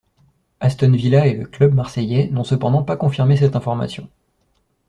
Aston Villa et le club marseillais n'ont cependant pas confirmé cette information.